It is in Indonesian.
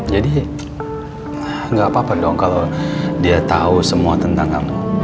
jadi gak apa apa dong kalau dia tau semua tentang kamu